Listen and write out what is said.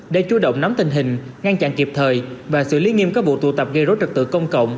để chú động nắm tình hình ngăn chặn kịp thời và xử lý nghiêm các vụ tụ tập gây rối trật tự công cộng